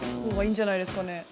方がいいんじゃないですかね。